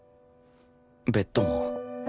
ベッドも